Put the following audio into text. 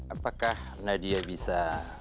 apakah nadia bisa